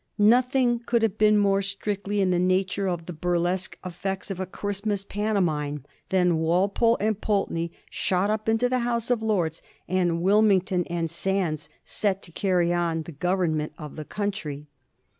Nothing could have been more strictly in the nature of the burlesque effects of a Christmas pantomime than Walpole and Pulteney shot up into the House of Lords, and Wilmington and Sandys set to carry on the government of the country.